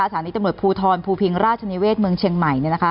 สถานีตำรวจภูทรภูพิงราชนิเวศเมืองเชียงใหม่